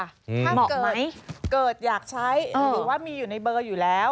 เหมาะกับเกิดอยากใช้หรือว่ามีอยู่ในเบอร์อยู่แล้ว